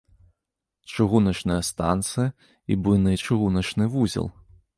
Чыгуначная станцыя і буйны чыгуначны вузел.